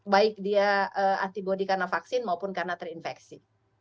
baik dia antibody karena vaksin maupun karena terinfeksi